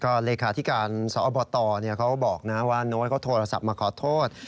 ก็เลขาที่การสบต่อเนี่ยเขาบอกนะว่าโน้ตเขาโทรศัพท์มาขอโทษ